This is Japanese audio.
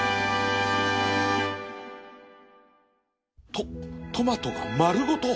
トトマトが丸ごと